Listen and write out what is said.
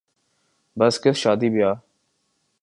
بس کس شادی بیاہ